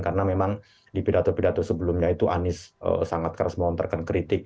karena memang di pidato pidato sebelumnya itu anies sangat keras melontarkan kritik